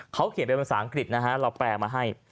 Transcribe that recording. เขาเขียนเป็นภาษาอังกฤษนะฮะเราแปลมาให้